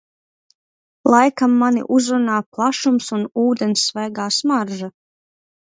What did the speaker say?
Laikam mani uzrunā plašums un ūdens svaigā smarža.